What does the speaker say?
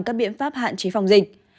các biện pháp hạn chế phòng dịch